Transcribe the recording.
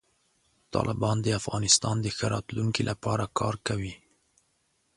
طالبان د افغانستان د ښه راتلونکي لپاره کار کوي.